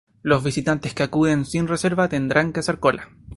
Los visitantes que acuden sin reserva tendrán que hacer cola.